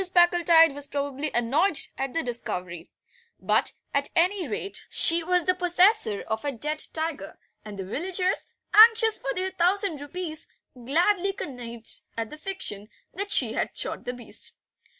Packletide was pardonably annoyed at the discovery; but, at any rate, she was the possessor of a dead tiger, and the villagers, anxious for their thousand rupees, gladly connived at the fiction that she had shot the beast.